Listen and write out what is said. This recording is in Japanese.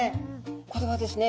これはですね